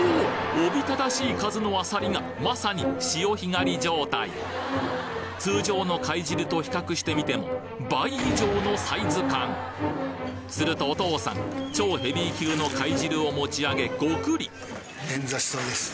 おびただしい数のあさりがまさに潮干狩り状態通常の貝汁と比較してみても倍以上のサイズ感するとお父さん超ヘビー級の貝汁を持ち上げゴクリ